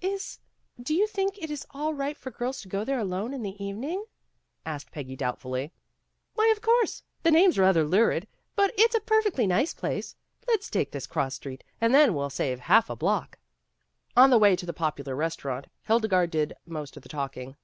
"Is do you think it is all right for girls to go there alone QUITE INFORMAL 161 in the evening?" asked Peggy doubtfully. "Why of course. The name's rather lurid, but it's a perfectly nice place. Let's take this cross street and then we'll save half a block." On the way to the popular restaurant, Hilde garde did most of the talking.